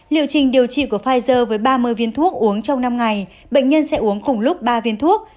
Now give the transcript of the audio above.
liệu trình điều trị của pfizer với ba mươi viên thuốc uống trong năm ngày bệnh nhân sẽ uống cùng lúc ba viên thuốc